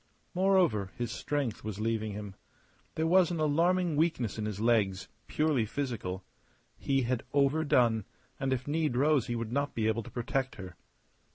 Moreover, his strength was leaving him. There was an alarming weakness in his legs, purely physical. He had overdone, and if need rose he would not be able to protect her.